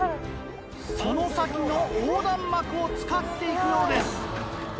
その先の横断幕を使って行くようです。